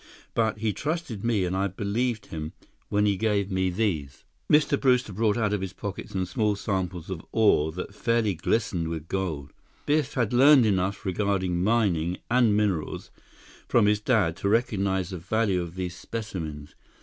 But he trusted me and I believed him—when he gave me these." Mr. Brewster brought out of his pocket some small samples of ore that fairly glistened with gold. Biff had learned enough regarding mining and minerals from his dad to recognize the value of these specimens.